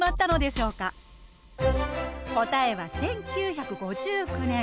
答えは１９５９年。